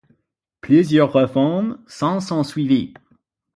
Plusieurs réformes s’en sont suivies.